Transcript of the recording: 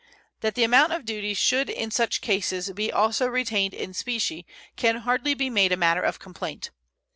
That the amount of duties should in such cases be also retained in specie can hardly be made a matter of complaint.